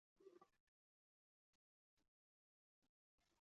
波讷地区圣厄拉利人口变化图示